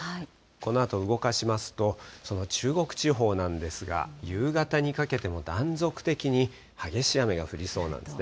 このあと動かしますと、その中国地方なんですが、夕方にかけても断続的に激しい雨が降りそうなんですね。